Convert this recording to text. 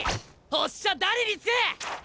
おっしゃ誰につく！？